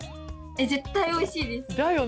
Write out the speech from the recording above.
絶対おいしいです。だよね！